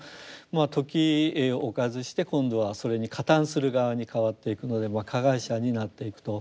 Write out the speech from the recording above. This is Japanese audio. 時を置かずして今度はそれに加担する側に変わっていくので加害者になっていくと。